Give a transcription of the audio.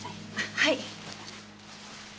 はい。